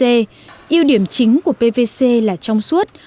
ưu điểm chính của pvc là trong suốt